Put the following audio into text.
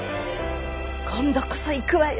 今度こそ行くわよ